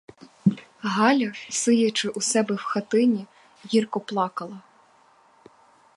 Галя, сидячи у себе в хатині, гірко плакала.